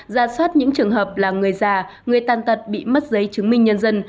ra soát những trường hợp là người già người tan tật bị mất giấy chứng minh nhân dân